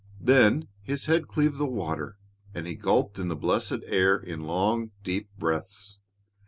Then his head cleaved the water and he gulped in the blessed air in long, deep breaths.